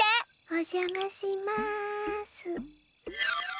おじゃまします。